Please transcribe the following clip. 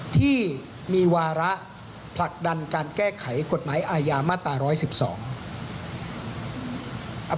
ที่มีวาระผลักดันการแก้ไขกฎหมายอาญามาตรา๑๑๒